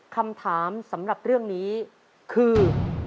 คำถามสำหรับเรื่องนี้คือ